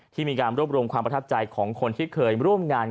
ที่มีการรวบรวมความประทับใจของคนที่เคยร่วมงาน